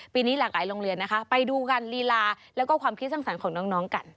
นี้หลากหลายโรงเรียนนะคะไปดูกันลีลาแล้วก็ความคิดสร้างสรรค์ของน้องกัน